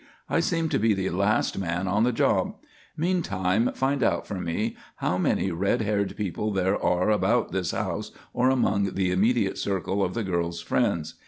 "I seem to be the last man on the job. Meantime find out for me how many red haired people there are about this house or among the immediate circle of the girl's friends.